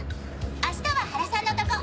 明日は原さんのとこ。